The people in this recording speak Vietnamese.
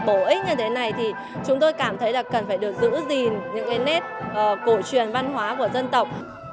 bổ ích như thế này thì chúng tôi cảm thấy là cần phải được giữ gìn những cái nét cổ truyền văn hóa của dân tộc